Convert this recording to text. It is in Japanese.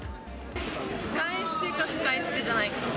使い捨てか使い捨てじゃないか。